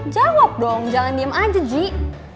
jawab dong jangan diem aja ji